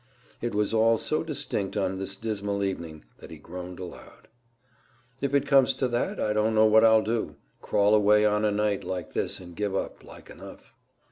It was all so distinct on this dismal evening that he groaned aloud. "If it comes to that, I don't know what I'll do crawl away on a night like this and give up, like enough."